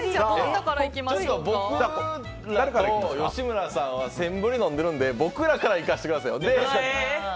吉村さんはもうセンブリ飲んでるので僕らからいかせてください。